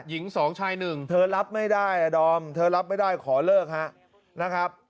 หญิง๒ชาย๑เธอรับไม่ได้อะดอมเธอรับไม่ได้ขอเลิกนะครับ